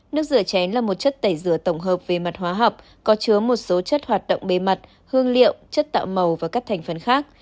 nước rửa chén là một chất tẩy rửa tổng hợp về mặt hóa học có chứa một số chất hoạt động bề mặt hương liệu chất tạo màu và các thành phần khác